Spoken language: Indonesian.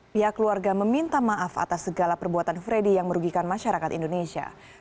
pihak keluarga meminta maaf atas segala perbuatan freddy yang merugikan masyarakat indonesia